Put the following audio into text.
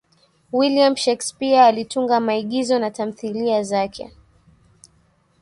william shakespeare alitunga maigizo na tamthiliya zake